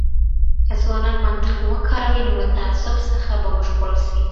که ځوانان منطق وکاروي نو له تعصب څخه به وژغورل سي.